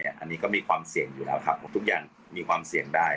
อันนี้ก็มีความเสี่ยงอยู่แล้วครับเพราะทุกอย่างมีความเสี่ยงได้